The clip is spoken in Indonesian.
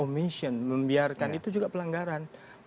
membiarkan itu juga pelanggaran